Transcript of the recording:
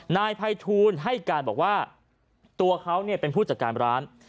นายภัยทูลให้การบอกว่าตัวเขาเป็นผู้จัดการร้าน